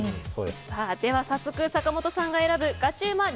では、早速坂本さんが選ぶガチうまっ！